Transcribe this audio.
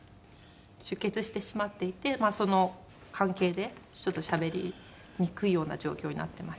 出血してしまっていてその関係でちょっとしゃべりにくいような状況になってました。